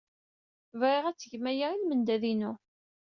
Bɣiɣ ad tgem aya i lmendad-inu.